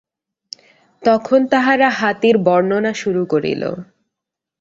তখন তাহারা হাতীর বর্ণনা শুরু করিল।